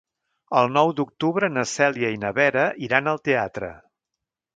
El nou d'octubre na Cèlia i na Vera iran al teatre.